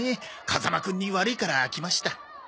風間くんに悪いから来ました。